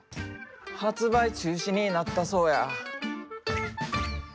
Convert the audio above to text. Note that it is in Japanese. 発売中止になったそうや。